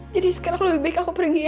jadi sekarang lebih baik aku pergi aja